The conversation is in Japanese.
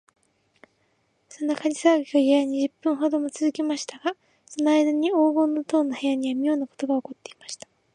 その火事さわぎが、やや二十分ほどもつづきましたが、そのあいだに黄金の塔の部屋には、みょうなことがおこっていました。